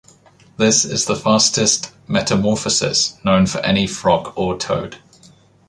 This is the fastest metamorphosis known for any frog or toad.